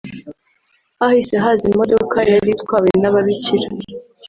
hahise haza imodoka yari itwawe n’ababikira